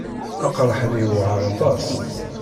Aqraḥ-nni yewɛeṛ aṭas.